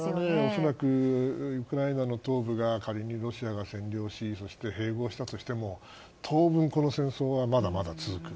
恐らくウクライナの東部が仮にロシアが占領しそして、併合したとしても当分、この戦争はまだまだ続く。